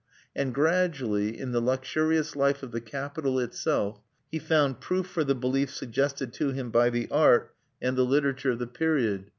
And gradually, in the luxurious life of the capital itself, he found proof for the belief suggested to him by the art and the literature of the period.